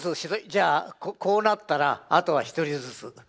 じゃあこうなったらあとは１人ずつ。